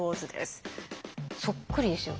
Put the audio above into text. そっくりですよ。